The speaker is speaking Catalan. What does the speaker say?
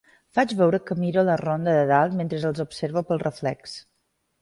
Faig veure que miro la Ronda de Dalt mentre els observo pel reflex.